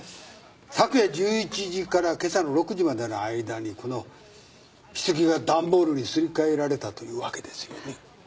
昨夜１１時からけさの６時までの間にこの棺が段ボールにすり替えられたというわけですよね？